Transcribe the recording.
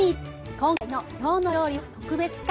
今回の「きょうの料理」は特別企画。